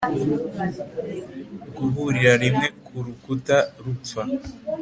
guhurira rimwe kurukuta rupfa